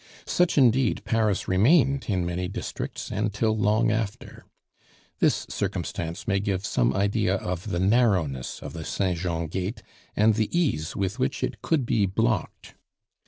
Such indeed Paris remained in many districts and till long after. This circumstance may give some idea of the narrowness of the Saint Jean gate and the ease with which it could be blocked.